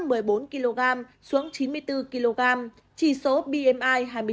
từ một trăm một mươi bốn kg xuống chín mươi bốn kg chỉ số bmi hai mươi chín